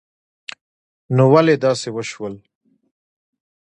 نو ولی داسی وشول